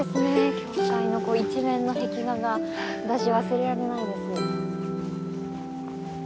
教会の一面の壁画が私忘れられないです。